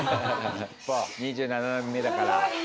２７年目だから。